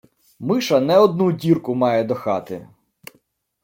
Миша не одну дірку має до хати.